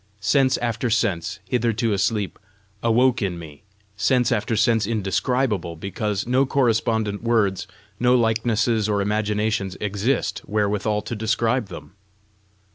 Sense after sense, hitherto asleep, awoke in me sense after sense indescribable, because no correspondent words, no likenesses or imaginations exist, wherewithal to describe them.